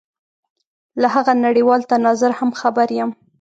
له هغه نړېوال تناظر هم خبر یم.